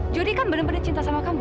jodi kan bener bener cinta sama kamu